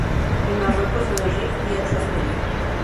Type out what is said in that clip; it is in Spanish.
En Marruecos en el Rif y Atlas Medio.